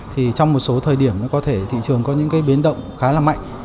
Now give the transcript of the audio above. thì trong một số thời điểm nó có thể thị trường có những cái biến động khá là mạnh